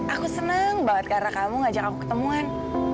aku senang banget karena kamu ngajak aku ketemuan